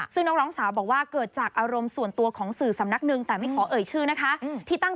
ซึ่งน้องร้องสาวบอกว่าเกิดจากอารมณ์ส่วนตัวของสื่อสำนักหนึ่ง